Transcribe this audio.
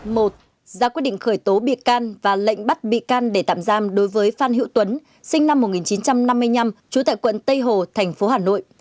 một ra quyết định khởi tố bị can và lệnh bắt bị can để tạm giam đối với phan hữu tuấn sinh năm một nghìn chín trăm năm mươi năm trú tại quận tây hồ thành phố hà nội